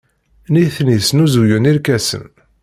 Nitni snuzuyen irkasen.